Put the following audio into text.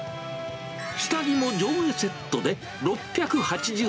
下着も上下セットで６８０円。